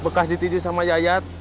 bekas ditiju sama yayat